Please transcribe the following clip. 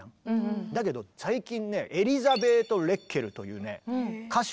だけど最近ねエリザベート・レッケルというね歌手。